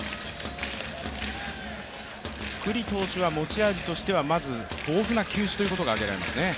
九里投手は持ち味としては、まず豊富な球種ということが挙げられますね。